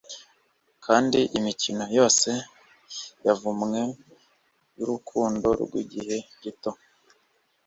Kandi imikino yose yavumwe yurukundo rwigihe gito